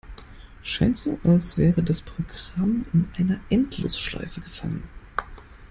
Scheint so, als wäre das Programm in einer Endlosschleife gefangen.